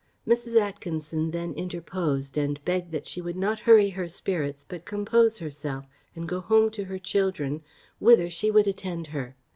Mrs. Atkinson then interposed, and begged that she would not hurry her spirits, but compose herself, and go home to her children, whither she would attend her.